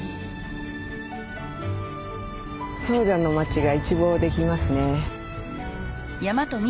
総社の町が一望できますね。